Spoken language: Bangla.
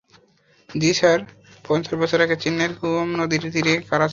জী স্যার পঞ্চাশ বছর আগে চেন্নাইয়ের কুওম নদীর তীরে কারা ছিলো?